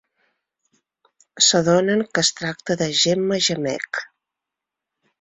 S'adonen que es tracta de Gemma Gemec.